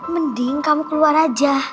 bening kamu keluar aja